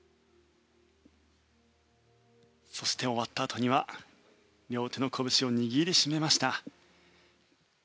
そして終わったあとには両手のこぶしを握り締めました。